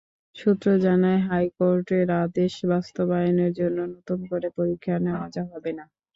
সূত্র জানায়, হাইকোর্টের আদেশ বাস্তবায়নের জন্য নতুন করে পরীক্ষা নেওয়া হবে না।